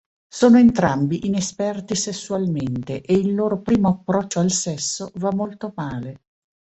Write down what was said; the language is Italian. Sono entrambi inesperti sessualmente, e il loro primo approccio al sesso va molto male.